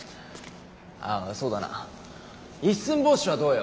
ああそうだな「一寸法師」はどうよ。